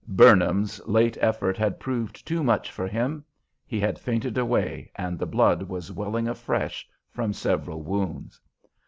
"Burnham's" late effort had proved too much for him. He had fainted away, and the blood was welling afresh from several wounds.